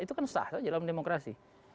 itu kan sah saja dalam demokrasi